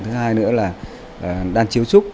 thứ hai nữa là đan chiếu trúc